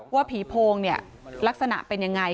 ว่าผีโพงเนี่ยลักษณะเป็นยังไง